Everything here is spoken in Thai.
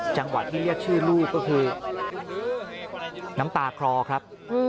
จังหวะที่เรียกชื่อลูกก็คือน้ำตาคลอครับ